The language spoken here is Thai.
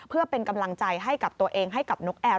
เพื่อเป็นกำลังใจให้กับตัวเองให้กับนกแอร์